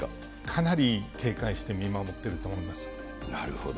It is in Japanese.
かなり警戒して見守っているなるほど。